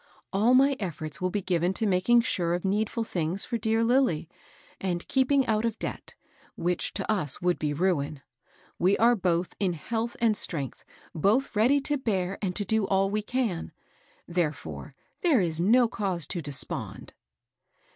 All my efforts will be given to making sure of needful things for dear Lilly, and keeping out of debt, which to us would be ruin. We are both in health and strength, both ready to bear and to do all we can ; therefore there is no cause to de spond."